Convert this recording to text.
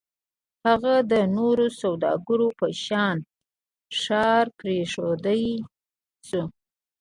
هغه د نورو سوداګرو په شان ښار پرېښودای شو.